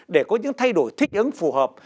để có những thay đổi thích ứng phù hợp